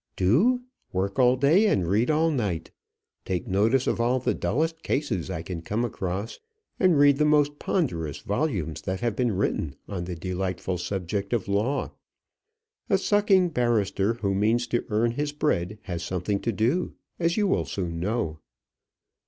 "Do! work all day and read all night. Take notice of all the dullest cases I can come across, and read the most ponderous volumes that have been written on the delightful subject of law. A sucking barrister who means to earn his bread has something to do as you will soon know."